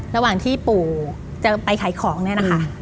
ระหว่างที่ปู่จะไปขายของเนี่ยนะคะ